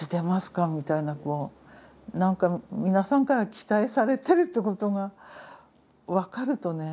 みたいな何か皆さんから期待されてるってことが分かるとね